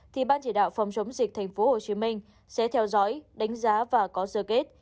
thì ban chỉ đạo phòng chống dịch tp hcm sẽ theo dõi đánh giá và có sơ kết